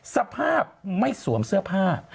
สภาพไม่สวมเสื้อผ้า